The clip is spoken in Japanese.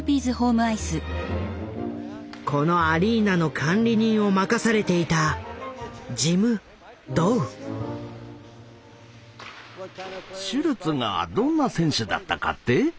このアリーナの管理人を任されていたシュルツがどんな選手だったかって？